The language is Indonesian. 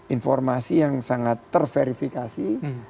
informasi yang sangat terverifikasi